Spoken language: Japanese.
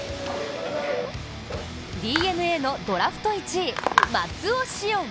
ＤｅＮＡのドラフト１位、松尾汐恩。